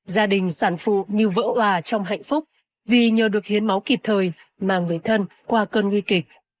gia đình sản phụ như vỡ hòa trong hạnh phúc vì nhờ được hiến máu kịp thời mang về thân qua cơn nguy kịch